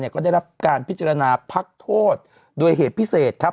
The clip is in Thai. ก็ได้รับการพิจารณาพักโทษโดยเหตุพิเศษครับ